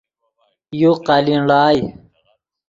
یو قالین ڑائے